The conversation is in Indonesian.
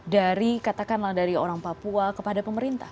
dari katakanlah dari orang papua kepada pemerintah